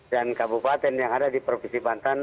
dan kabupaten yang ada di provinsi banten